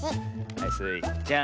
はいスイちゃん。